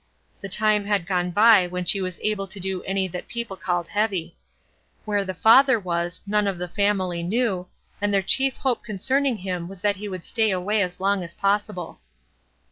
The time had gone by when she was able to do any that people called heavy. Where the father was, none of the family knew, and their chief hope concerning him was that he would stay away as long as possible.